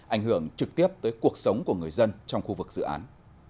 ảnh hưởng trực tiếp tới cuộc sống của người dân trong khu vực dự án